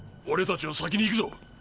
俺たちは先に行くぞ！！